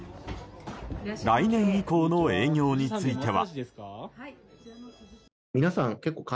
来年以降の営業については。